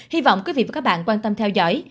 hy vọng quý vị và các bạn quan tâm theo dõi